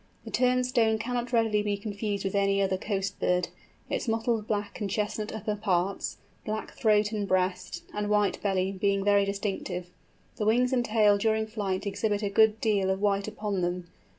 The Turnstone cannot readily be confused with any other coast bird, its mottled black and chestnut upper parts, black throat and breast, and white belly, being very distinctive. The wings and tail during flight exhibit a good deal of white upon them.